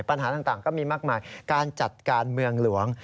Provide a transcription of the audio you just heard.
ปัญหาต่างก็มีมากมายการจัดการเมืองหลวง